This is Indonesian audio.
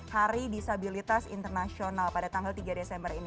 hari disabilitas internasional pada tanggal tiga desember ini